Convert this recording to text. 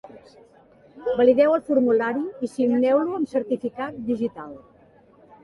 Valideu el formulari i signeu-lo amb certificat digital.